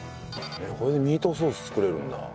これでミートソース作れるんだ。